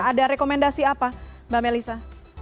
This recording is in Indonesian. ada rekomendasi apa mbak melisa